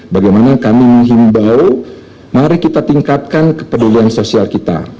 bagaimana kami menghimbau mari kita tingkatkan kepedulian sosial kita